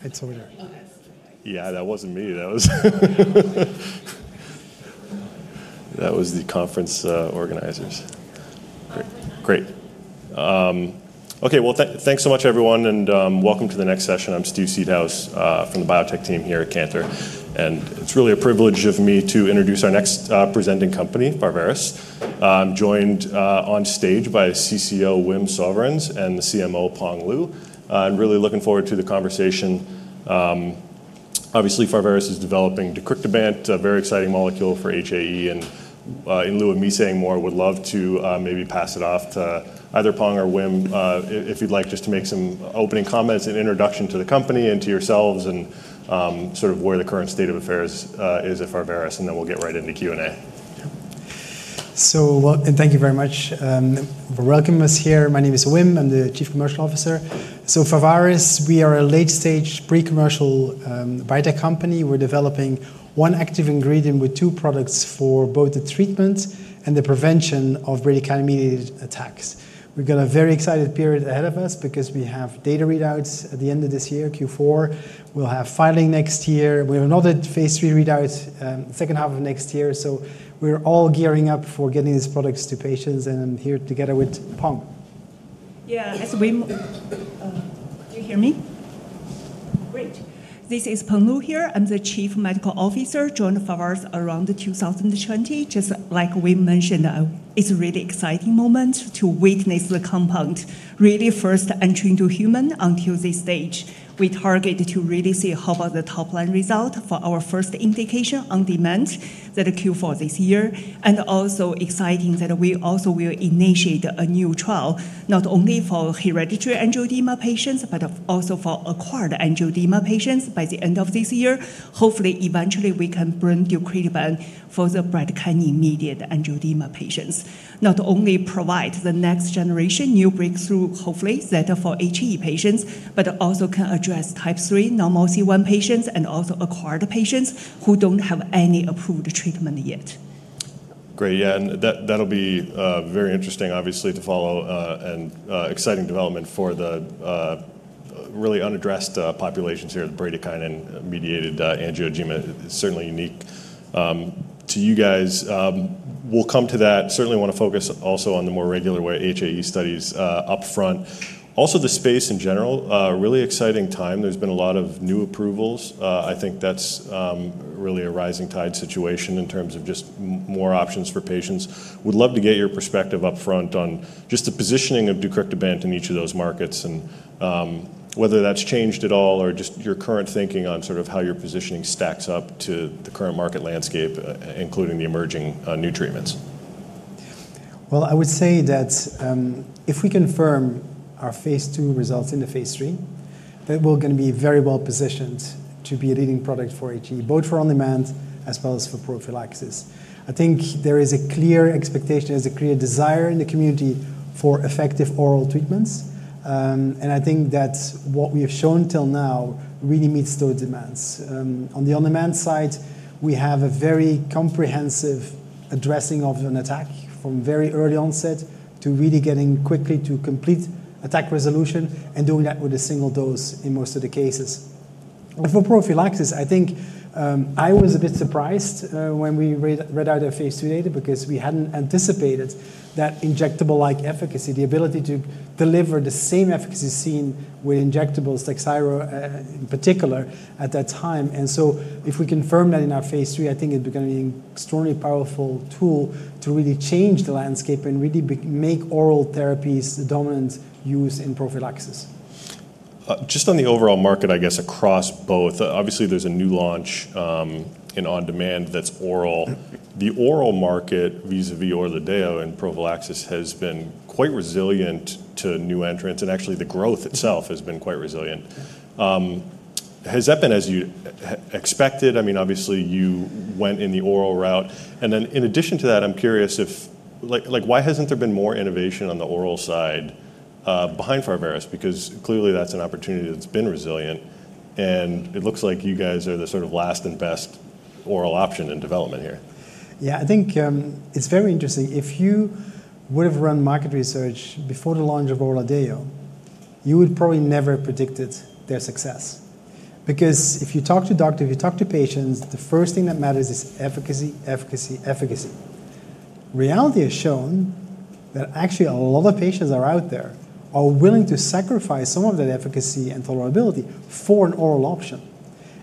Pitch over there. Yeah, that wasn't me. That was the conference organizers. Great. Great. Okay, well, thanks so much, everyone, and welcome to the next session. I'm Steve Seedhouse from the biotech team here at Cantor. And it's really a privilege of me to introduce our next presenting company, Pharvaris. I'm joined on stage by CCO Wim Souverijns and the CMO Peng Lu. I'm really looking forward to the conversation. Obviously, Pharvaris is developing deucrictibant, a very exciting molecule for HAE. And in lieu of me saying more, I would love to maybe pass it off to either Peng or Wim, if you'd like, just to make some opening comments and introduction to the company and to yourselves and sort of where the current state of affairs is at Pharvaris. And then we'll get right into Q&A. So, and thank you very much for welcoming us here. My name is Wim. I'm the Chief Commercial Officer. So Pharvaris, we are a late-stage pre-commercial biotech company. We're developing one active ingredient with two products for both the treatment and the prevention of bradykinin-mediated attacks. We've got a very exciting period ahead of us because we have data readouts at the end of this year, Q4. We'll have filing next year. We have another phase III readout the second half of next year. So we're all gearing up for getting these products to patients and here together with Peng. Yeah, as we can hear me. Great. This is Peng Lu here. I'm the Chief Medical Officer joined Pharvaris around 2020. Just like Wim mentioned, it's a really exciting moment to witness the compound really first entering to human until this stage. We target to really see how about the top-line result for our first indication on demand that Q4 this year, and also exciting that we also will initiate a new trial not only for hereditary angioedema patients, but also for acquired angioedema patients by the end of this year. Hopefully, eventually we can bring deucrictibant for the bradykinin-mediated angioedema patients, not only provide the next generation new breakthrough, hopefully that for HAE patients, but also can address type 3, normal C1 patients, and also acquired patients who don't have any approved treatment yet. Great. Yeah, and that'll be very interesting, obviously, to follow and exciting development for the really unaddressed populations here, the bradykinin-mediated angioedema. It's certainly unique to you guys. We'll come to that. Certainly want to focus also on the more regular way HAE studies upfront. Also the space in general, really exciting time. There's been a lot of new approvals. I think that's really a rising tide situation in terms of just more options for patients. Would love to get your perspective upfront on just the positioning of deucrictibant in each of those markets and whether that's changed at all or just your current thinking on sort of how your positioning stacks up to the current market landscape, including the emerging new treatments. I would say that if we confirm our phase II results in the phase III, then we're going to be very well positioned to be a leading product for HAE, both for on-demand as well as for prophylaxis. I think there is a clear expectation, there's a clear desire in the community for effective oral treatments. I think that what we have shown till now really meets those demands. On the on-demand side, we have a very comprehensive addressing of an attack from very early onset to really getting quickly to complete attack resolution and doing that with a single dose in most of the cases. For prophylaxis, I think I was a bit surprised when we read out our phase II data because we hadn't anticipated that injectable-like efficacy, the ability to deliver the same efficacy seen with injectables, Takhzyro in particular, at that time. And so if we confirm that in our phase III, I think it'd be going to be an extraordinarily powerful tool to really change the landscape and really make oral therapies the dominant use in prophylaxis. Just on the overall market, I guess, across both, obviously there's a new launch in on-demand that's oral. The oral market vis-à-vis Orladeyo in prophylaxis has been quite resilient to new entrants. And actually the growth itself has been quite resilient. Has that been as you expected? I mean, obviously you went in the oral route. And then in addition to that, I'm curious if, like, why hasn't there been more innovation on the oral side behind Pharvaris? Because clearly that's an opportunity that's been resilient. And it looks like you guys are the sort of last and best oral option in development here. Yeah, I think it's very interesting. If you would have run market research before the launch of Orladeyo, you would probably never have predicted their success. Because if you talk to doctors, if you talk to patients, the first thing that matters is efficacy, efficacy, efficacy. Reality has shown that actually a lot of patients out there are willing to sacrifice some of that efficacy and tolerability for an oral option.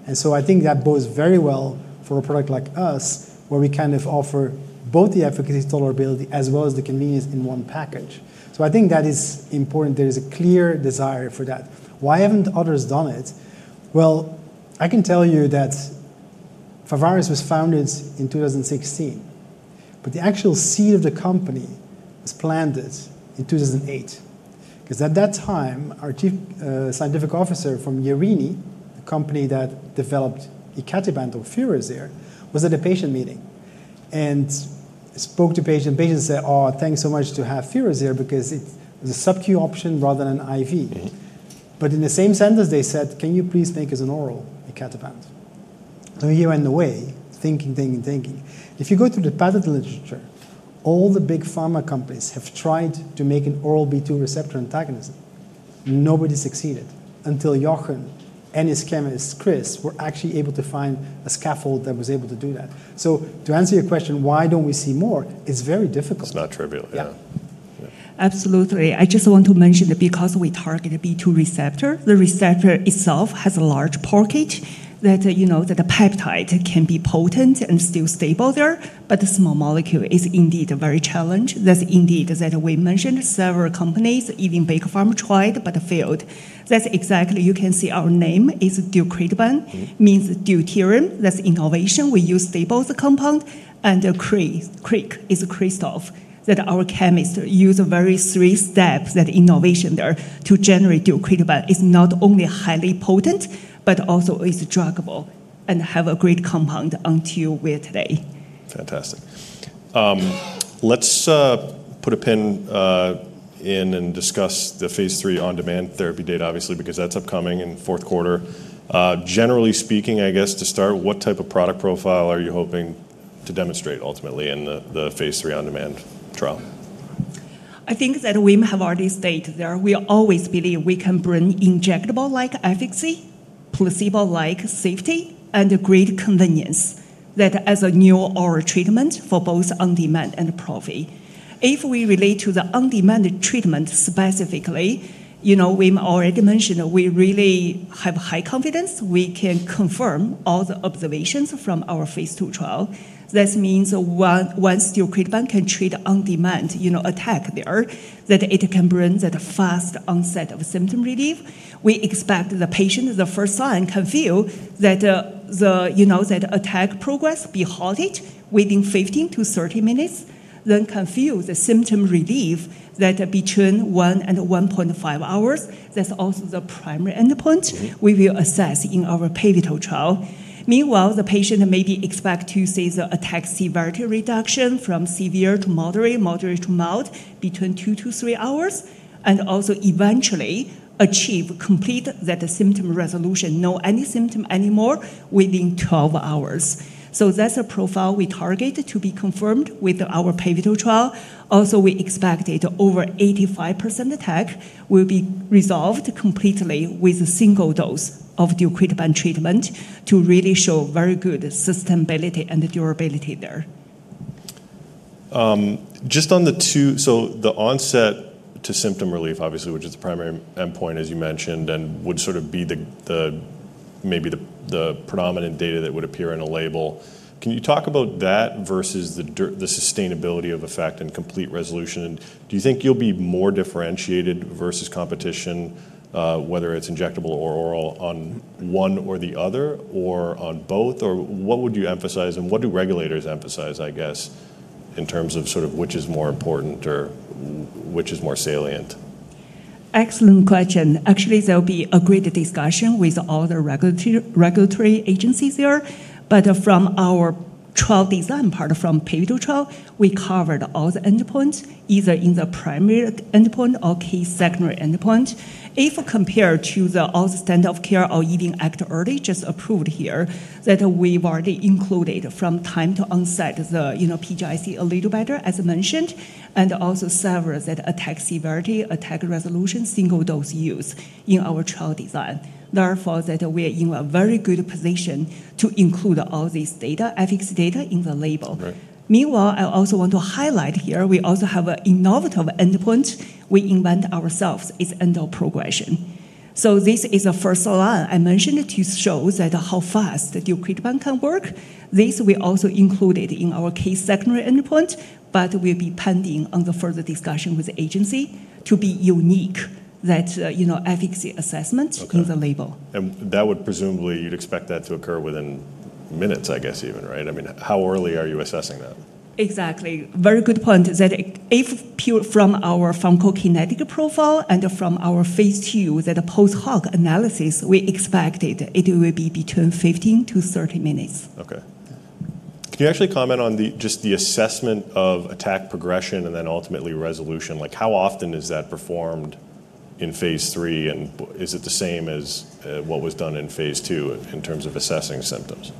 And so I think that bodes very well for a product like us, where we kind of offer both the efficacy, tolerability, as well as the convenience in one package. So I think that is important. There is a clear desire for that. Why haven't others done it? Well, I can tell you that Pharvaris was founded in 2016, but the actual seed of the company was planted in 2008. Because at that time, our Chief Scientific Officer from Jerini, the company that developed icatibant or Firazyr, was at a patient meeting and spoke to patients. Patients said, "Oh, thanks so much to have Firazyr because it's a subQ option rather than an IV." But in the same sentence, they said, "Can you please make us an oral icatibant?" So here in the way, thinking, if you go through the patent literature, all the big pharma companies have tried to make an oral B2 receptor antagonist. Nobody succeeded until Jochen and his chemist, Chris, were actually able to find a scaffold that was able to do that. So to answer your question, why don't we see more? It's very difficult. It's not trivial. Yeah. Absolutely. I just want to mention that because we target a B2 receptor, the receptor itself has a large pocket that, you know, that the peptide can be potent and still stable there. But the small molecule is indeed a very challenge. That's indeed that we mentioned several companies, even big pharma tried, but failed. That's exactly you can see our name is deucrictibant, means deuterium. That's innovation. We use stable compound and create crict is crystal that our chemists use very three steps that innovation there to generate deucrictibant is not only highly potent, but also is druggable and have a great compound until we're today. Fantastic. Let's put a pin in and discuss the phase III on-demand therapy data, obviously, because that's upcoming in fourth quarter. Generally speaking, I guess to start, what type of product profile are you hoping to demonstrate ultimately in the phase III on-demand trial? I think that Wim have already stated there. We always believe we can bring injectable-like efficacy, placebo-like safety, and great convenience that as a new oral treatment for both on-demand and prophylaxis. If we relate to the on-demand treatment specifically, you know, Wim already mentioned that we really have high confidence. We can confirm all the observations from our phase II trial. That means once deucrictibant can treat on-demand, you know, attack there, that it can bring that fast onset of symptom relief. We expect the patient the first time can feel that the, you know, that attack progress be halted within 15 minutes-30 minutes, then can feel the symptom relief that between 1 hour and 1.5 hours. That's also the primary endpoint we will assess in our pivotal trial. Meanwhile, the patient may be expected to see the attack severity reduction from severe to moderate, moderate to mild between two to three hours, and also eventually achieve complete that symptom resolution, no any symptom anymore within 12 hours. So that's a profile we target to be confirmed with our pivotal trial. Also, we expect it over 85% attack will be resolved completely with a single dose of deucrictibant treatment to really show very good sustainability and durability there. Just on the two, so the onset to symptom relief, obviously, which is the primary endpoint, as you mentioned, and would sort of be maybe the predominant data that would appear in a label. Can you talk about that versus the sustainability of effect and complete resolution? Do you think you'll be more differentiated versus competition, whether it's injectable or oral on one or the other or on both? Or what would you emphasize and what do regulators emphasize, I guess, in terms of sort of which is more important or which is more salient? Excellent question. Actually, there'll be a great discussion with all the regulatory agencies there. But from our trial design part, from pivotal trial, we covered all the endpoints, either in the primary endpoint or key secondary endpoint. If compared to all the standard of care or even act early, just approved here, that we've already included from time to onset the, you know, PGIC a little better, as mentioned, and also several that attack severity, attack resolution, single dose use in our trial design. Therefore, that we are in a very good position to include all these data, efficacy data in the label. Meanwhile, I also want to highlight here, we also have an innovative endpoint we invent ourselves. It's end of progression. So this is a first line I mentioned to show that how fast deucrictibant can work. This we also included in our key secondary endpoint, but we'll be pending on the further discussion with the agency to be unique that, you know, ethics assessment in the label. That would presumably, you'd expect that to occur within minutes, I guess even, right? I mean, how early are you assessing that? Exactly. Very good point that if from our pharmacokinetic profile and from our phase II that post hoc analysis, we expected it will be between 15 minutes-30 minutes. Okay. Can you actually comment on just the assessment of attack progression and then ultimately resolution? Like how often is that performed in phase III? And is it the same as what was done in phase II in terms of assessing symptoms?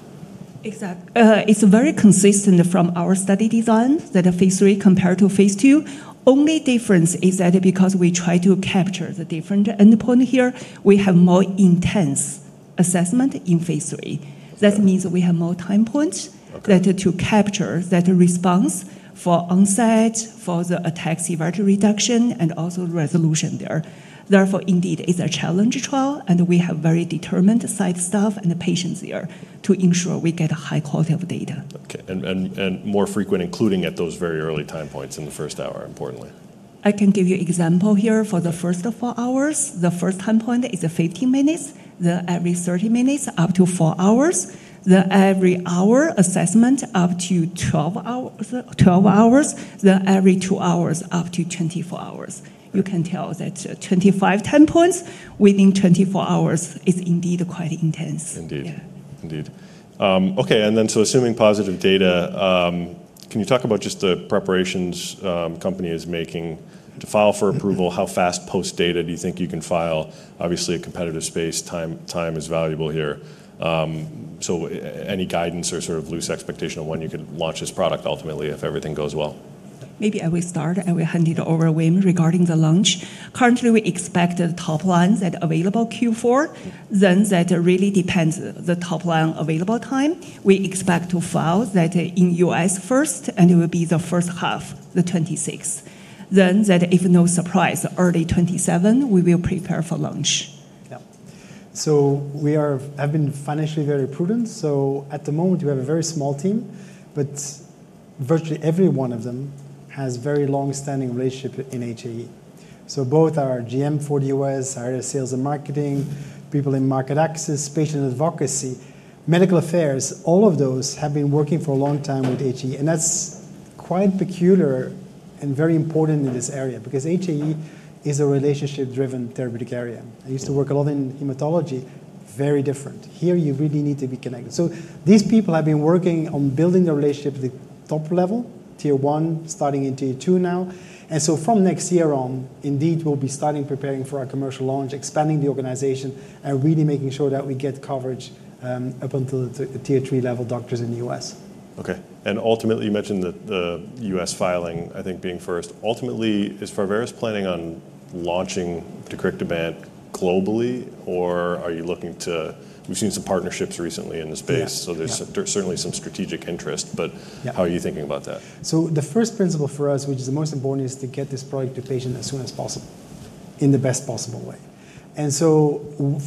Exactly. It's very consistent from our study design that phase III compared to phase II. Only difference is that because we try to capture the different endpoint here, we have more intensive assessment in phase III. That means we have more time points to capture that response for onset, for the attack severity reduction and also resolution there. Therefore, indeed, it's a challenge trial and we have very dedicated site staff and patients there to ensure we get a high-quality data. Okay. And more frequent, including at those very early time points in the first hour, importantly. I can give you an example here for the first of four hours. The first time point is 15 minutes, then every 30 minutes up to four hours, then every hour assessment up to 12 hours, then every two hours up to 24 hours. You can tell that 25 time points within 24 hours is indeed quite intense. Indeed. Okay. And then, so assuming positive data, can you talk about just the preparations the company is making to file for approval? How fast post data do you think you can file? Obviously, a competitive space, time is valuable here. So any guidance or sort of loose expectation of when you could launch this product ultimately if everything goes well? Maybe I will start and we hand it over, Wim, regarding the launch. Currently, we expect the top-line data available in Q4, then that really depends on the top-line available time. We expect to file that in US first and it will be the first half of 2026. If no surprise, early 2027, we will prepare for launch. Yeah. So we are. I've been financially very prudent. So at the moment, we have a very small team, but virtually every one of them has very longstanding relationship in HAE. So both our GM for the US, our sales and marketing, people in market access, patient advocacy, medical affairs, all of those have been working for a long time with HAE. And that's quite peculiar and very important in this area because HAE is a relationship-driven therapeutic area. I used to work a lot in hematology, very different. Here you really need to be connected. So these people have been working on building the relationship at the top level, tier one, starting in tier two now. And so from next year on, indeed, we'll be starting preparing for our commercial launch, expanding the organization and really making sure that we get coverage up until tier three level doctors in the U.S. Okay, and ultimately, you mentioned that the U.S. filing, I think being first, ultimately, is Pharvaris planning on launching deucrictibant globally or are you looking to? We've seen some partnerships recently in the space, so there's certainly some strategic interest, but how are you thinking about that? So the first principle for us, which is the most important, is to get this product to patient as soon as possible in the best possible way. And so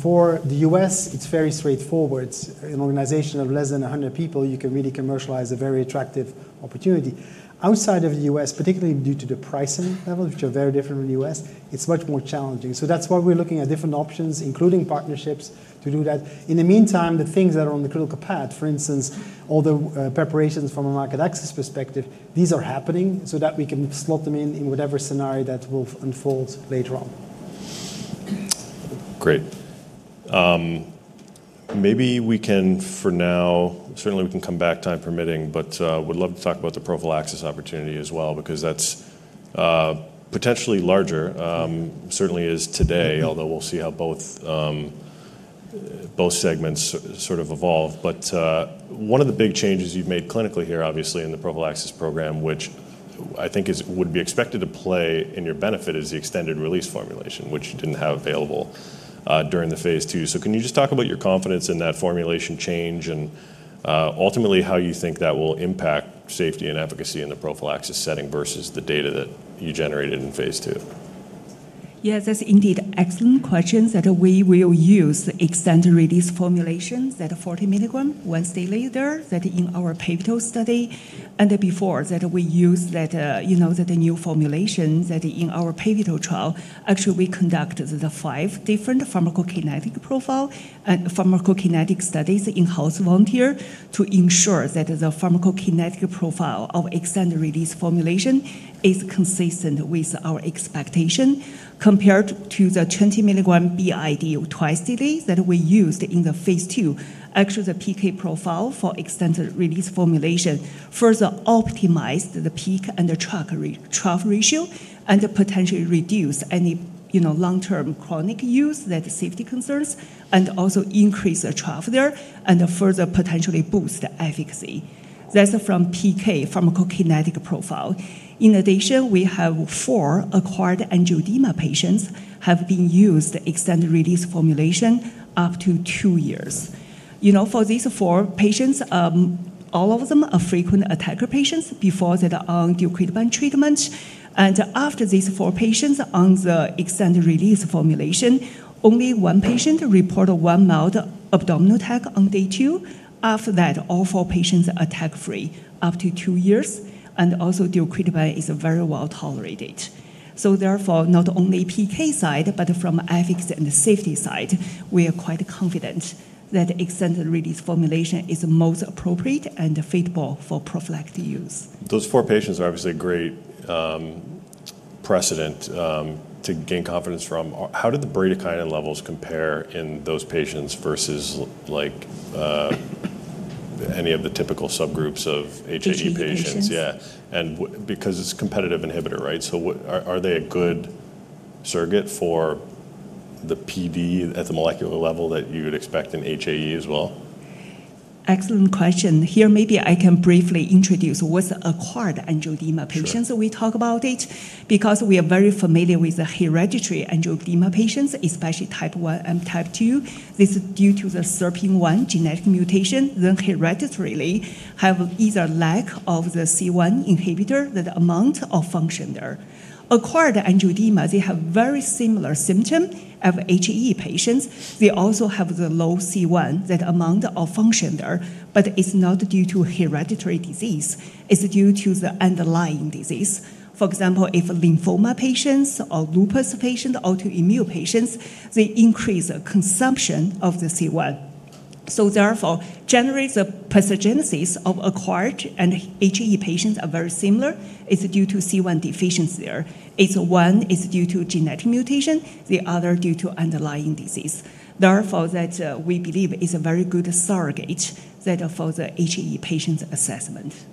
for the U.S., it's very straightforward. An organization of less than 100 people, you can really commercialize a very attractive opportunity. Outside of the U.S., particularly due to the pricing level, which are very different in the U.S., it's much more challenging. So that's why we're looking at different options, including partnerships to do that. In the meantime, the things that are on the critical path, for instance, all the preparations from a market access perspective, these are happening so that we can slot them in in whatever scenario that will unfold later on. Great. Maybe we can for now, certainly we can come back time permitting, but would love to talk about the prophylaxis opportunity as well because that's potentially larger, certainly as today, although we'll see how both segments sort of evolve. But one of the big changes you've made clinically here, obviously, in the prophylaxis program, which I think would be expected to play in your benefit, is the extended-releas formulation, which you didn't have available during the phase II. So can you just talk about your confidence in that formulation change and ultimately how you think that will impact safety and efficacy in the prophylaxis setting versus the data that you generated in phase II? Yes, that's indeed excellent questions that we will use extended-release formulations at 40 milligram once daily there that in our pivotal study and before that we use that, you know, that the new formulations that in our pivotal trial. Actually, we conduct the five different pharmacokinetic profile and pharmacokinetic studies in healthy volunteers to ensure that the pharmacokinetic profile of extended-release formulation is consistent with our expectation compared to the 20 milligram BID twice daily that we used in the phase II. Actually, the PK profile for extended-release formulation further optimized the peak and the trough ratio and potentially reduce any, you know, long-term chronic use that safety concerns and also increase the trough there and further potentially boost efficacy. That's from PK pharmacokinetic profile. In addition, we have four acquired angioedema patients have been used extended-release formulation up to two years. You know, for these four patients, all of them are frequent attacker patients before that on deucrictibant treatment. After these four patients on the extended release formulation, only one patient reported one mild abdominal attack on day two. After that, all four patients attack-free up to two years and also deucrictibant is very well tolerated, so therefore, not only PK side, but from efficacy and safety side, we are quite confident that extended release formulation is most appropriate and feasible for prophylactic use. Those four patients are obviously a great precedent to gain confidence from. How did the bradykinin levels compare in those patients versus like any of the typical subgroups of HAE patients? Yeah. And because it's competitive inhibitor, right? So are they a good surrogate for the PD at the molecular level that you would expect in HAE as well? Excellent question. Here maybe I can briefly introduce with acquired angioedema patients. We talk about it because we are very familiar with hereditary angioedema patients, especially type one and type two. This is due to the SERPING1 genetic mutation, then hereditarily have either lack of the C1 inhibitor, that amount of function there. Acquired angioedema, they have very similar symptoms of HAE patients. They also have the low C1, that amount of function there, but it's not due to hereditary disease. It's due to the underlying disease. For example, if lymphoma patients or lupus patients, autoimmune patients, they increase the consumption of the C1. So therefore, generally the pathogenesis of acquired and HAE patients are very similar. It's due to C1 deficiency there. It's one is due to genetic mutation, the other due to underlying disease. Therefore, that we believe is a very good surrogate for the HAE patient assessment.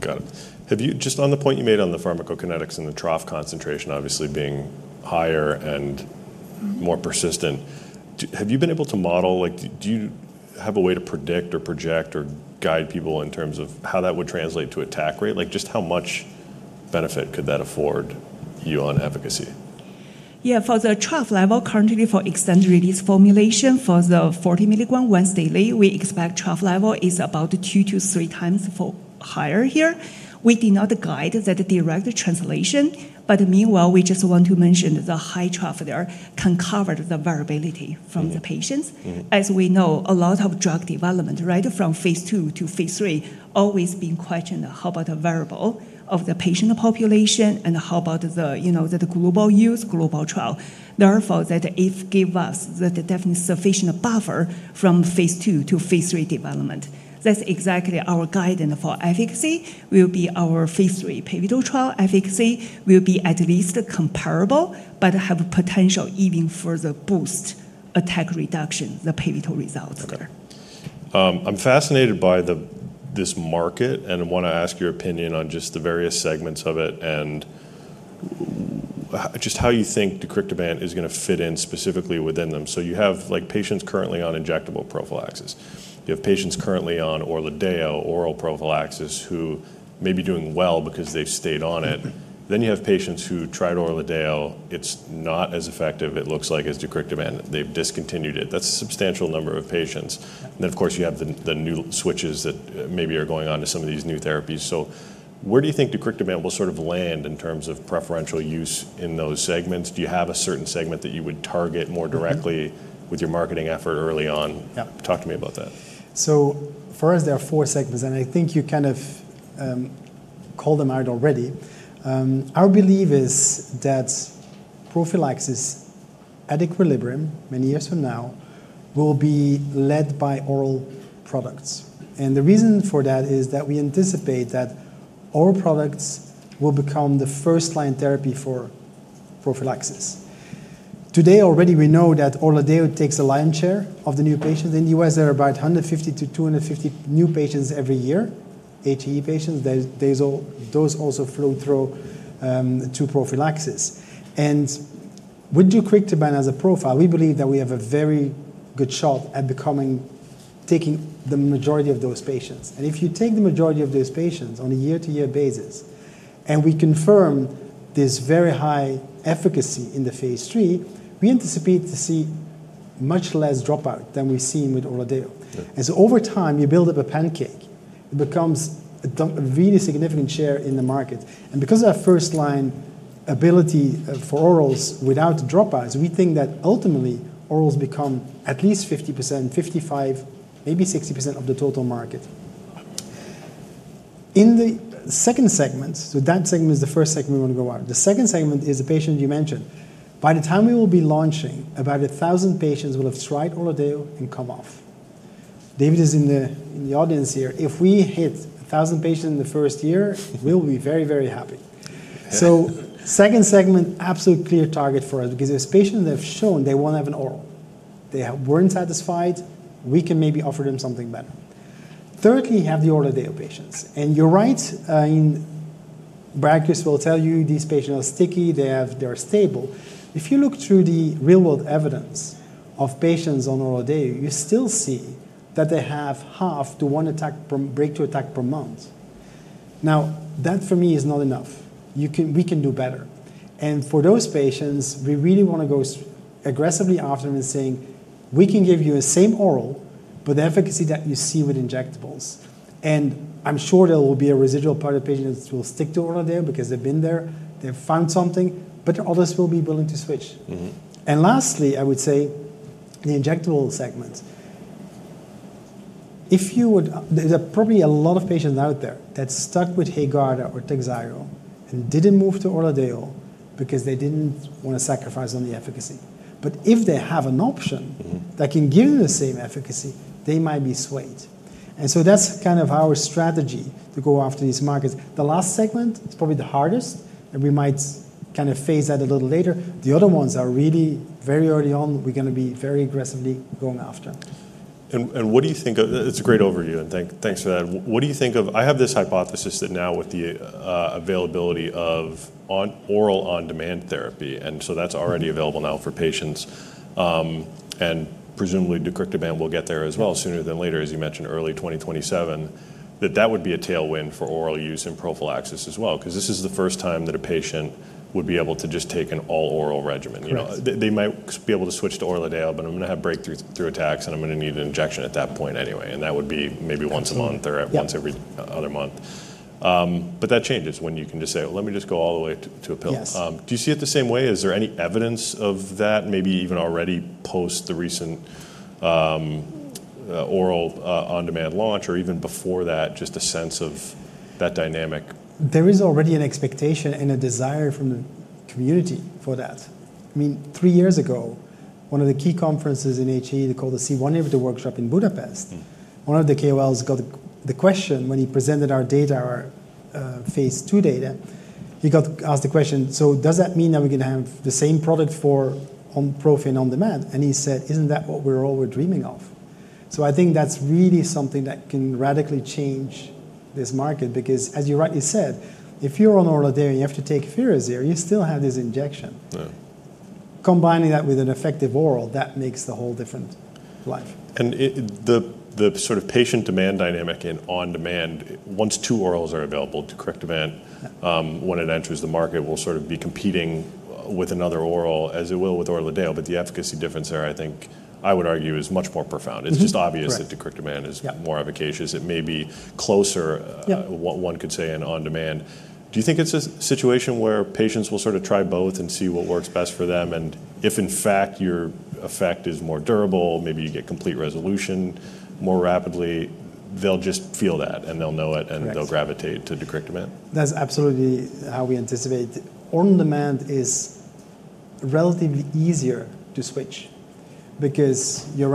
Got it. Have you, just on the point you made on the pharmacokinetics and the trough concentration obviously being higher and more persistent, have you been able to model, like do you have a way to predict or project or guide people in terms of how that would translate to attack rate? Like just how much benefit could that afford you on efficacy? Yeah, for the trough level currently for extended-release formulation for the 40-milligram once-daily, we expect trough level is about two to three times higher here. We do not guide that direct translation, but meanwhile, we just want to mention that the high trough there can cover the variability from the patients. As we know, a lot of drug development, right, from phase II to phase III, always being questioned how about the variability of the patient population and how about the, you know, the global use, global trial. Therefore, that if give us that definitely sufficient buffer from phase II to phase III development, that's exactly our guidance for efficacy. Will be our phase III pivotal trial efficacy will be at least comparable, but have potential even further boost attack reduction, the pivotal results. Okay. I'm fascinated by this market and want to ask your opinion on just the various segments of it and just how you think deucrictibant is going to fit in specifically within them. So you have like patients currently on injectable prophylaxis. You have patients currently on Orladeyo oral prophylaxis who may be doing well because they've stayed on it. Then you have patients who tried Orladeyo, it's not as effective, it looks like, as deucrictibant, they've discontinued it. That's a substantial number of patients. And then of course, you have the new switches that maybe are going on to some of these new therapies. So where do you think deucrictibant will sort of land in terms of preferential use in those segments? Do you have a certain segment that you would target more directly with your marketing effort early on? Talk to me about that. For us, there are four segments and I think you kind of called them out already. Our belief is that prophylaxis at equilibrium many years from now will be led by oral products. And the reason for that is that we anticipate that oral products will become the first line therapy for prophylaxis. Today already we know that Orladeyo takes the lion's share of the new patients in the U.S. There are about 150 new patients-250 new patients every year, HAE patients. Those also flow through to prophylaxis. And with deucrictibant as a profile, we believe that we have a very good shot at taking the majority of those patients. And if you take the majority of those patients on a year-to-year basis and we confirm this very high efficacy in the phase III, we anticipate to see much less dropout than we've seen with Orladeyo. And so over time, you build up a pancake. It becomes a really significant share in the market. And because of our first line ability for orals without dropouts, we think that ultimately orals become at least 50%, 55%, maybe 60% of the total market. In the second segment, so that segment is the first segment we want to go out. The second segment is the patient you mentioned. By the time we will be launching, about a thousand patients will have tried Orladeyo and come off. David is in the audience here. If we hit a thousand patients in the first year, we'll be very, very happy. So second segment, absolute clear target for us because there's patients that have shown they won't have an oral. They weren't satisfied. We can maybe offer them something better. Thirdly, you have the Orladeyo patients. And you're right, in brackets will tell you these patients are sticky, they're stable. If you look through the real-world evidence of patients on Orladeyo, you still see that they have half to one attack breakthrough attack per month. Now that for me is not enough. We can do better. And for those patients, we really want to go aggressively after them and saying, we can give you the same oral, but the efficacy that you see with injectables. And I'm sure there will be a residual part of patients that will stick to Orladeyo because they've been there, they've found something, but others will be willing to switch. And lastly, I would say the injectable segment. There's probably a lot of patients out there that stuck with Haegarda or Takhzyro and didn't move to Orladeyo because they didn't want to sacrifice on the efficacy. But if they have an option that can give them the same efficacy, they might be swayed. And so that's kind of our strategy to go after these markets. The last segment is probably the hardest and we might kind of phase that a little later. The other ones are really very early on, we're going to be very aggressively going after. What do you think of? It's a great overview and thanks for that. What do you think of? I have this hypothesis that now with the availability of oral on-demand therapy and so that's already available now for patients and presumably deucrictibant will get there as well sooner than later, as you mentioned early 2027, that that would be a tailwind for oral use and prophylaxis as well because this is the first time that a patient would be able to just take an all-oral regimen. They might be able to switch to Orladeyo, but I'm going to have breakthrough attacks and I'm going to need an injection at that point anyway. That would be maybe once a month or once every other month. That changes when you can just say, well, let me just go all the way to a pill. Do you see it the same way? Is there any evidence of that, maybe even already post the recent oral on-demand launch or even before that, just a sense of that dynamic? There is already an expectation and a desire from the community for that. I mean, three years ago, one of the key conferences in HAE, they called the C1 Inhibitor Workshop in Budapest. One of the KOLs got the question when he presented our data, our phase II data. He got asked the question, so does that mean that we're going to have the same product for prophylaxis and on-demand? And he said, isn't that what we're all dreaming of? So I think that's really something that can radically change this market because as you rightly said, if you're on Orladeyo and you have to take Firazyr, you still have this injection. Combining that with an effective oral, that makes the whole different life. And the sort of patient demand dynamic and on-demand, once two orals are available, deucrictibant, when it enters the market will sort of be competing with another oral as it will with Orladeyo, but the efficacy difference there, I think I would argue is much more profound. It's just obvious that deucrictibant is more efficacious. It may be closer, one could say, in on-demand. Do you think it's a situation where patients will sort of try both and see what works best for them? And if in fact your effect is more durable, maybe you get complete resolution more rapidly, they'll just feel that and they'll know it and they'll gravitate to deucrictibant? That's absolutely how we anticipate it. On-demand is relatively easier to switch because you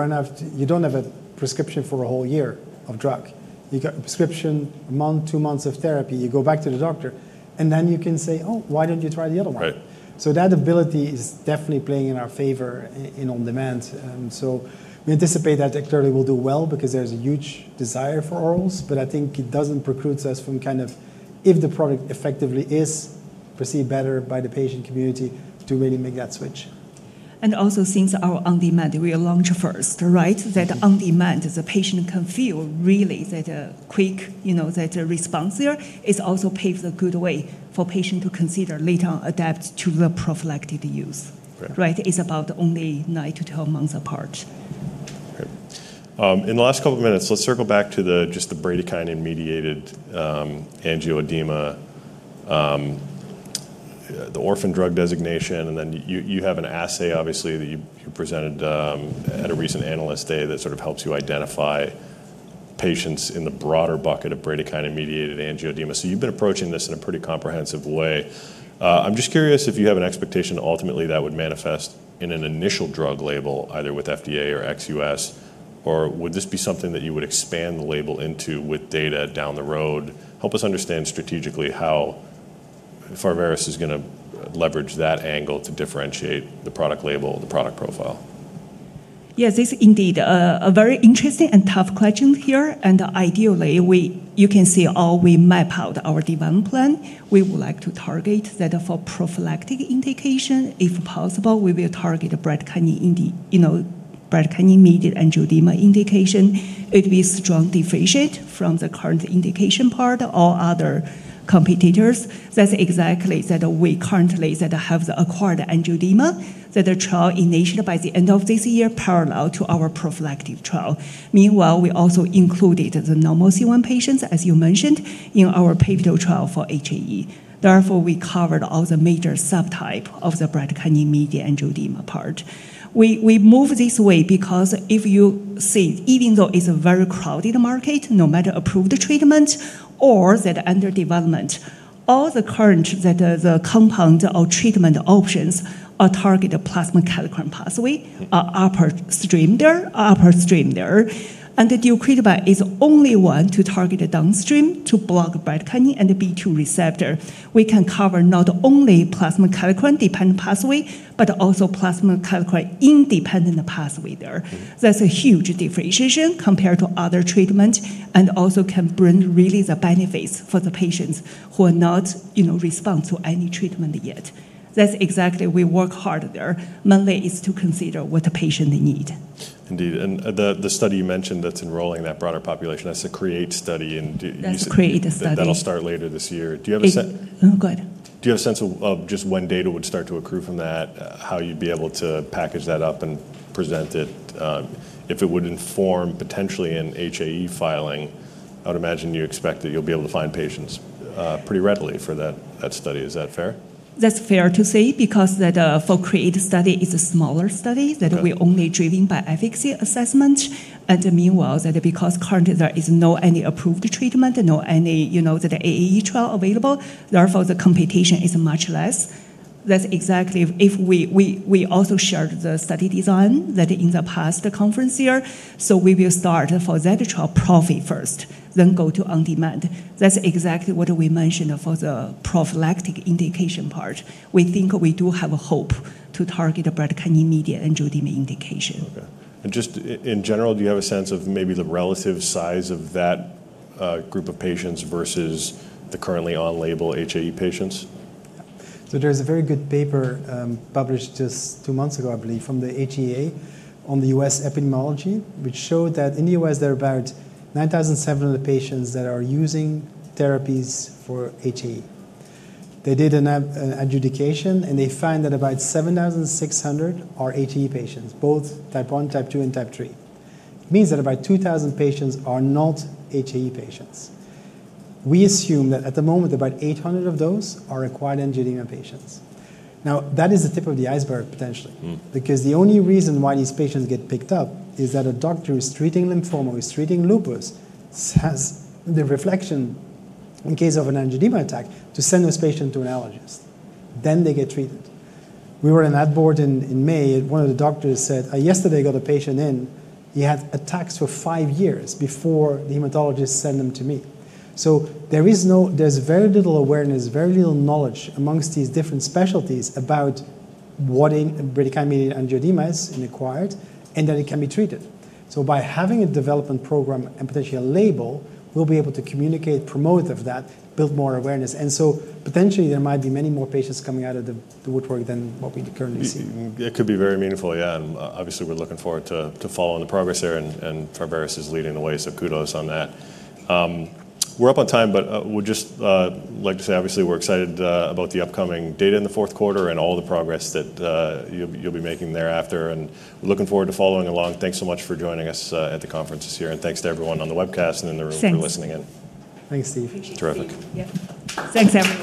don't have a prescription for a whole year of drug. You got a prescription, a month, two months of therapy, you go back to the doctor and then you can say, oh, why don't you try the other one? So that ability is definitely playing in our favor in on-demand. So we anticipate that it clearly will do well because there's a huge desire for orals, but I think it doesn't preclude us from kind of, if the product effectively is perceived better by the patient community, to really make that switch. And also since our on-demand we are launched first, right? That on-demand, the patient can feel really that quick, you know, that response there is also paved a good way for patients to consider later on adapt to the prophylactic use, right? It's about only nine to 12 months apart. In the last couple of minutes, let's circle back to just the bradykinin-mediated angioedema, the orphan drug designation, and then you have an assay obviously that you presented at a recent analyst day that sort of helps you identify patients in the broader bucket of bradykinin-mediated angioedema. So you've been approaching this in a pretty comprehensive way. I'm just curious if you have an expectation ultimately that would manifest in an initial drug label either with FDA or ex-US, or would this be something that you would expand the label into with data down the road? Help us understand strategically how Pharvaris is going to leverage that angle to differentiate the product label or the product profile. Yes, it's indeed a very interesting and tough question here. And ideally, you can see all we map out our development plan. We would like to target that for prophylactic indication. If possible, we will target bradykinin-mediated angioedema indication. It will be strongly differentiated from the current indication part or other competitors. That's exactly that we currently have the acquired angioedema that the trial initiated by the end of this year parallel to our prophylactic trial. Meanwhile, we also included the normal C1 patients, as you mentioned, in our pivotal trial for HAE. Therefore, we covered all the major subtypes of the bradykinin-mediated angioedema part. We move this way because if you see, even though it's a very crowded market, no matter approved treatment or that under development, all the current compound or treatment options are targeted plasma kallikrein pathway, upstream there, upstream there. And the deucrictibant is the only one to target downstream to block bradykinin and B2 receptor. We can cover not only plasma kallikrein dependent pathway, but also plasma kallikrein independent pathway there. That's a huge differentiation compared to other treatments and also can bring really the benefits for the patients who are not, you know, respond to any treatment yet. That's exactly we work hard there. Mainly it's to consider what the patient needs. Indeed. And the study you mentioned that's enrolling that broader population, that's a CREATE study and. That's CREATE study. That'll start later this year. Do you have a sense? I'm good. Do you have a sense of just when data would start to accrue from that, how you'd be able to package that up and present it if it would inform potentially an HAE filing? I would imagine you expect that you'll be able to find patients pretty readily for that study. Is that fair? That's fair to say because the CREATE study is a smaller study that we're only driven by efficacy assessment. And meanwhile, that's because currently there is no any approved treatment, no any, you know, that AAE trial available, therefore the competition is much less. That's exactly if we also shared the study design that in the past conference year. So we will start for that trial prophylaxis first, then go to on-demand. That's exactly what we mentioned for the prophylactic indication part. We think we do have a hope to target a bradykinin-mediated angioedema indication. Just in general, do you have a sense of maybe the relative size of that group of patients versus the currently on-label HAE patients? So there's a very good paper published just two months ago, I believe, from the HAEA on the US epidemiology, which showed that in the US, there are about 9,700 patients that are using therapies for HAEA. They did an adjudication and they found that about 7,600 are HAE patients, both type 1, type 2, and type 3. It means that about 2,000 patients are not HAE patients. We assume that at the moment, about 800 of those are acquired angioedema patients. Now, that is the tip of the iceberg potentially because the only reason why these patients get picked up is that a doctor who's treating lymphoma or who's treating lupus has the reflection in case of an angioedema attack to send this patient to an allergist. Then they get treated. We were on that board in May. One of the doctors said, yesterday I got a patient in, he had attacks for five years before the hematologist sent them to me. So there is no, there's very little awareness, very little knowledge among these different specialties about what bradykinin-mediated angioedema is and acquired and that it can be treated. So by having a development program and potentially a label, we'll be able to communicate, promote that, build more awareness. And so potentially there might be many more patients coming out of the woodwork than what we currently see. It could be very meaningful, yeah, and obviously we're looking forward to following the progress there and Pharvaris is leading the way, so kudos on that. We're up on time, but we'd just like to say, obviously we're excited about the upcoming data in the fourth quarter and all the progress that you'll be making thereafter and looking forward to following along. Thanks so much for joining us at the conferences here and thanks to everyone on the webcast and in the room for listening in. Thanks, Steve. Terrific. Thanks, everyone.